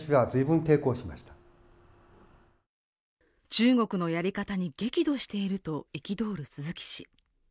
中国のやり方に激怒していると憤る鈴木氏